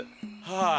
はい。